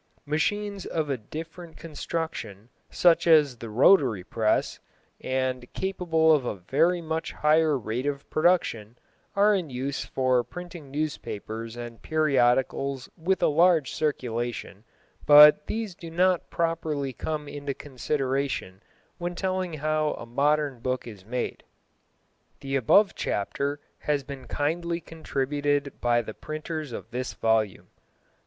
Machines of a different construction, such as the rotary press, and capable of a very much higher rate of production, are in use for printing newspapers and periodicals with a large circulation, but these do not properly come into consideration when telling how a modern book is made. [_The above chapter has been kindly contributed by the printers of this volume.